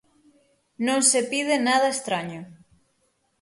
Non se pide nada estraño.